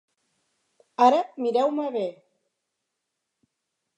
Ara mireu-me bé!